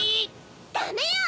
ダメよ！